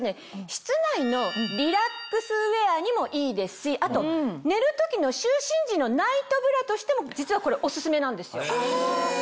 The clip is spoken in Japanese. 室内のリラックスウエアにもいいですしあと寝る時の就寝時のナイトブラとしても実はこれオススメなんですよ。